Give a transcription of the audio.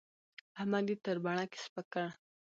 احمد يې تر بڼکې سپک کړ.